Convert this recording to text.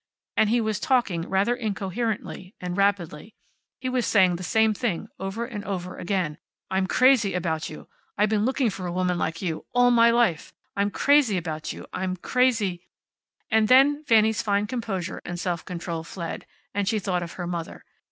And he was talking, rather incoherently, and rapidly. He was saying the same thing over and over again: "I'm crazy about you. I've been looking for a woman like you all my life. I'm crazy about you. I'm crazy " And then Fanny's fine composure and self control fled, and she thought of her mother.